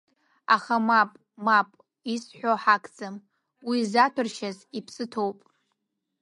Аха мап, мап, исҳәо ҳақӡам, уи заҭәаршьаз иԥсы ҭоуп!